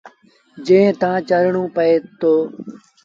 جݩهݩ تآݩ چڙهڻو پئي دو۔